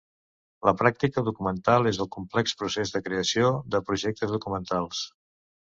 La pràctica documental és el complex procés de creació de projectes documentals.